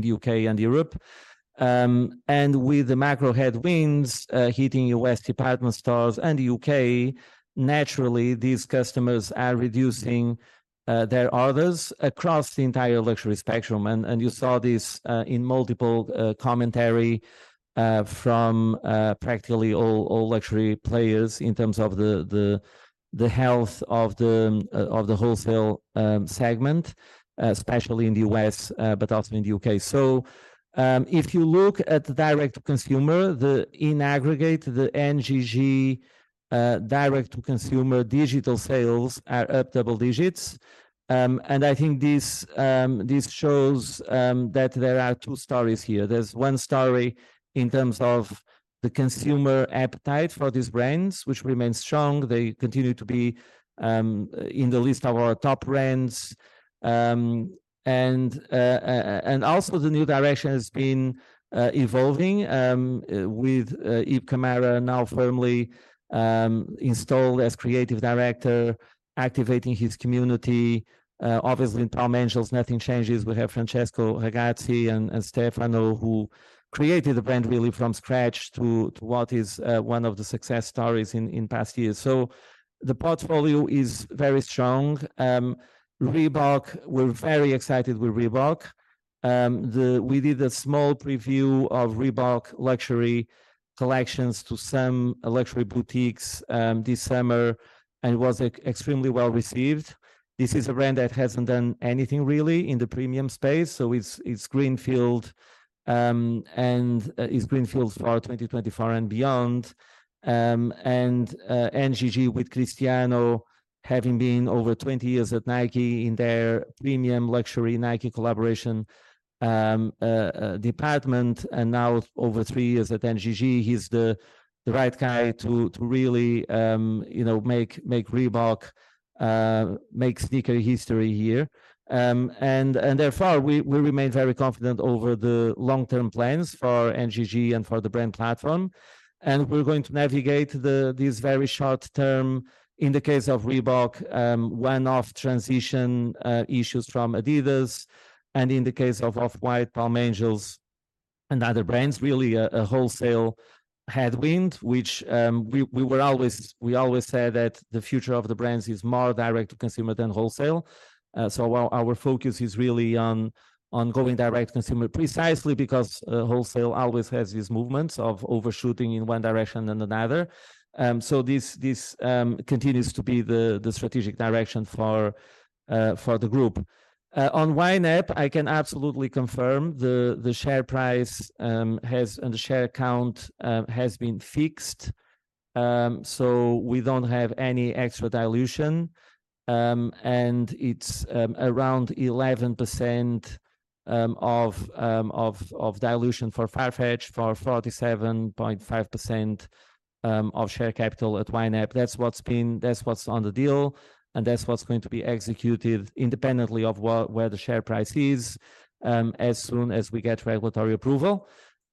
the U.K. and Europe. With the macro headwinds hitting U.S. department stores and the U.K., naturally, these customers are reducing their orders across the entire luxury spectrum. You saw this in multiple commentary from practically all luxury players in terms of the health of the wholesale segment, especially in the U.S., but also in the U.K. If you look at the direct consumer, in aggregate, the NGG direct-to-consumer digital sales are up double-digits. I think this shows that there are two stories here. There's one story in terms of the consumer appetite for these brands, which remains strong. They continue to be in the list of our top brands. Also the new direction has been evolving with Ib Kamara now firmly installed as creative director, activating his community. Obviously in Palm Angels, nothing changes. We have Francesco Ragazzi and Stefano, who created the brand really from scratch to what is one of the success stories in past years. The portfolio is very strong. Reebok, we're very excited with Reebok. We did a small preview of Reebok luxury collections to some luxury boutiques this summer, and it was, like, extremely well received. This is a brand that hasn't done anything really in the premium space, so it's, it's greenfield, and it's greenfields for our 2024 and beyond. NGG, with Cristiano having been over 20 years at Nike in their premium luxury Nike collaboration department, and now over three years at NGG, he's the right guy to really, you know, make, make Reebok make sneaker history here. Therefore, we, we remain very confident over the long-term plans for NGG and for the Brand Platform. We're going to navigate these very short term, in the case of Reebok, one-off transition issues from Adidas, and in the case of Off-White, Palm Angels and other brands, really a, a wholesale headwind, which we always say that the future of the brands is more direct to consumer than wholesale. While our focus is really on, on going direct to consumer, precisely because wholesale always has these movements of overshooting in one direction than another. This, this continues to be the, the strategic direction for the group. On YNAP, I can absolutely confirm the, the share price has, and the share count has been fixed. We don't have any extra dilution, and it's around 11% of of of dilution for Farfetch, for 47.5% of share capital at YNAP. That's what's on the deal, and that's what's going to be executed independently of where the share price is, as soon as we get regulatory approval.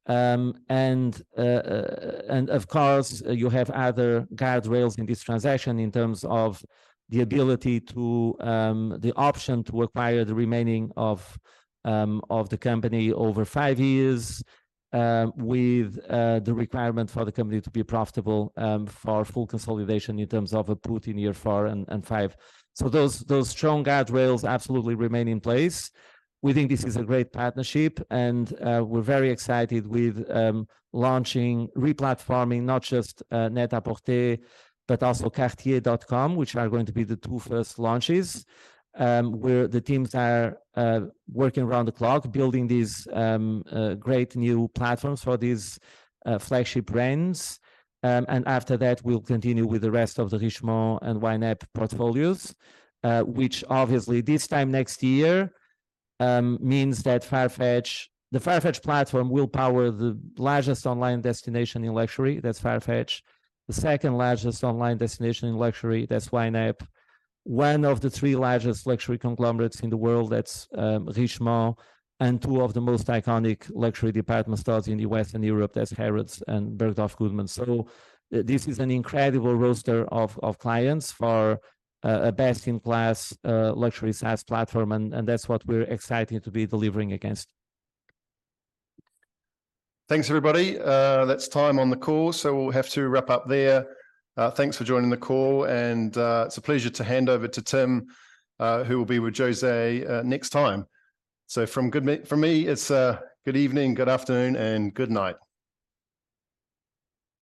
And of course, you have other guardrails in this transaction in terms of the ability to, the option to acquire the remaining of of the company over five years, with the requirement for the company to be profitable, for full consolidation in terms of a put in year four and five. Those, those strong guardrails absolutely remain in place. We think this is a great partnership, and we're very excited with launching, re-platforming, not just Net-a-Porter, but also cartier.com, which are going to be the two first launches. Where the teams are working around the clock, building these great new platforms for these flagship brands. After that, we'll continue with the rest of the Richemont and YNAP portfolios, which obviously this time next year means that Farfetch, the Farfetch Platform will power the largest online destination in luxury, that's Farfetch, the second largest online destination in luxury, that's YNAP, one of the three largest luxury conglomerates in the world, that's Richemont, and two of the most iconic luxury department stores in the West and Europe, that's Harrods and Bergdorf Goodman. This is an incredible roster of clients for a best-in-class luxury SaaS platform, and that's what we're excited to be delivering against. Thanks, everybody. That's time on the call, so we'll have to wrap up there. Thanks for joining the call, and it's a pleasure to hand over to Tim, who will be with José next time. From me, it's good evening, good afternoon, and good night.